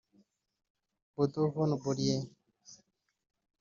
Bodo von Borries